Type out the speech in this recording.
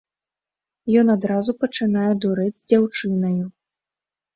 Ён адразу пачынае дурэць з дзяўчынаю.